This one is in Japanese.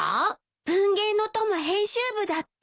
『文芸の友』編集部だって。